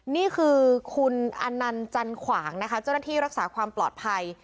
นี่คือคุณอนันต์จันขวางนะคะเจ้าหน้าที่รักษาความปลอดภัย